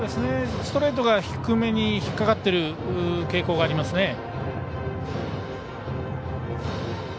ストレートが低めに引っ掛かっている傾向がありますね。